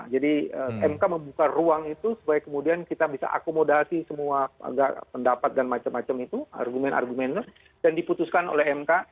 jadi mk membuka ruang itu supaya kemudian kita bisa akomodasi semua pendapat dan macam macam itu argumen argumennya dan diputuskan oleh mk